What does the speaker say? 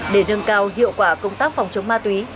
để nâng cao hiệu quả công tác phòng chống ma túy